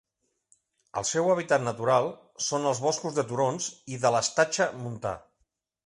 El seu hàbitat natural són els boscos de turons i de l'estatge montà.